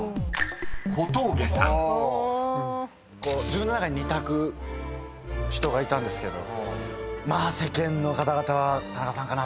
自分の中で２択人がいたんですけど世間の方々は田中さんかなと。